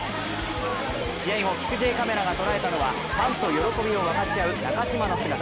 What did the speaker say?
試合後、キクＪカメラが捉えたのはファンと喜びを分かち合う中嶋の姿。